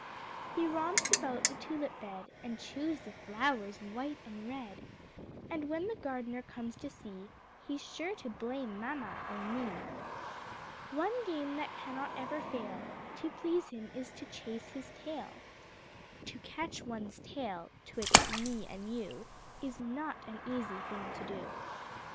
He romps about the Tulip bed, And chews the Flowers white and red, And when the Gardener comes to see He's sure to blame mamma or me. One game that cannot ever fail To please him is to chase his tail (To catch one's tail, 'twixt me and you, Is not an easy thing to do.)